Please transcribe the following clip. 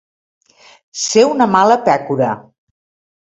Ser una mala pècora.